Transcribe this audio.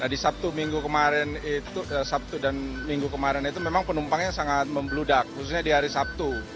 di sabtu dan minggu kemarin itu memang penumpangnya sangat membludak khususnya di hari sabtu